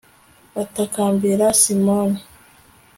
batakambira simoni